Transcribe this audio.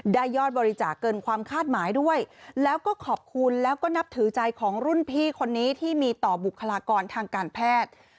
ยอดบริจาคเกินความคาดหมายด้วยแล้วก็ขอบคุณแล้วก็นับถือใจของรุ่นพี่คนนี้ที่มีต่อบุคลากรทางการแพทย์